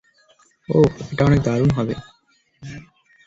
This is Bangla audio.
ওহ, এটা অনেক দারুণ হবে।